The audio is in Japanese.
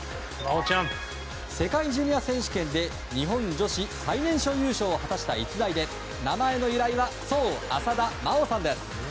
世界ジュニア選手権で日本女子最年少優勝を果たした逸材で名前の由来はそう、浅田真央さんです。